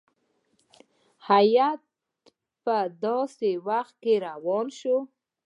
هیات په داسي وخت کې روان شو.